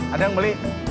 ada yang beli